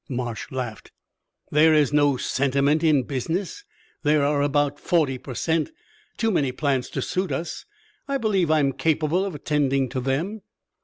Marsh laughed. "There is no sentiment in business! There are about forty per cent. too many plants to suit us. I believe I am capable of attending to them."